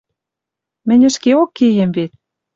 Мӹнь ӹшкеок кеем вет